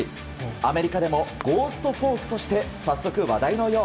アメリカでもゴーストフォークとして早速、話題のよう。